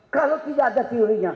kalau tidak ada teorinya